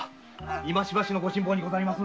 今しばしのご辛抱にございます。